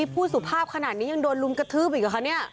พูดสุภาพขนาดนี้ยังโดนลุมกระทืบอีกเหรอคะเนี่ย